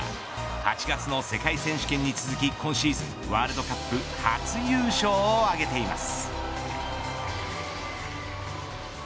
８月の世界選手権に続き今シーズン、ワールドカップ初優勝を挙げています。